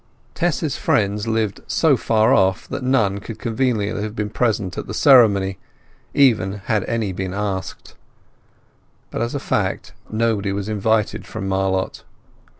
Tess's friends lived so far off that none could conveniently have been present at the ceremony, even had any been asked; but as a fact nobody was invited from Marlott.